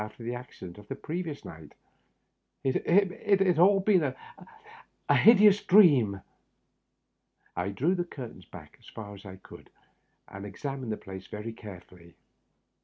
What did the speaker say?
after the acci dent of the previous night — ^it had all been a hideous dream. I drew the curtains back aa far as I could, and examined the place very carefully.